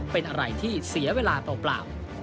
เป็นอะไรที่เสียเวลาเปล่า